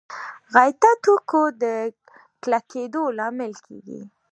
غایطه توکو د کلکېدو لامل کېږي.